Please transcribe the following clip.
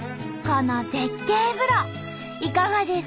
この絶景風呂いかがですか？